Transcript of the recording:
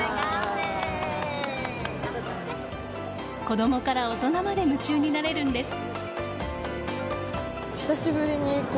子供から大人まで夢中になれるんです。